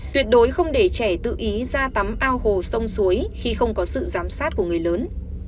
tuyệt đối không để trẻ tự ý ra tắm ao hồ sông suối khi không có sự giám sát của người lớn